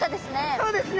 そうですね。